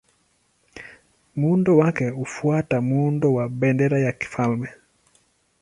Muundo wake hufuata muundo wa bendera ya kifalme.